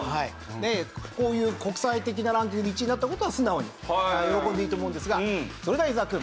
でこういう国際的なランキングで１位になった事は素直に喜んでいいと思うんですがそれでは伊沢くん。